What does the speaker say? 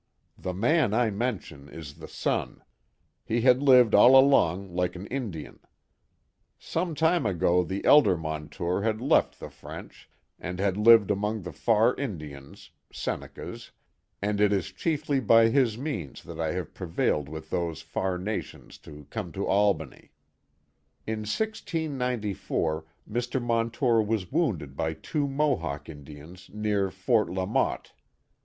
The man I mention is the son. He had lived all along like an Indian. Sometime ago the elder Montour had left the French, and had lived among the far Indians (Senecas), and it is chiefly by his means that I have prevailed with those far nations to come to Albany, i Accounts of the Notorious Butler Family 217 In 1694 Mr. Montour was wounded by two Mohawk Indians near Fort La Motte.